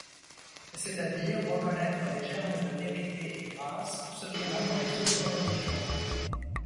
C'est-à-dire reconnaitre les germes de vérité et grâce se trouvant dans les autres religions.